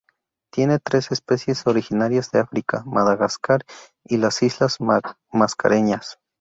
Tiene tres especies originarias de África, Madagascar y las islas Mascareñas.